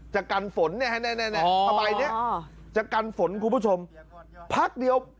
จะกันฝนแน่แน่แน่แน่เอาไปเนี้ยจะกันฝนคุณผู้ชมพักเดี๋ยว